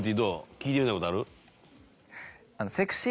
聞いてみたいことある？